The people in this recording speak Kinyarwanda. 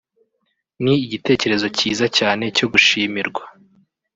ni igitekerezo cyiza cyane cyo gushimirwa